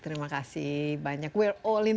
terima kasih banyak kita semua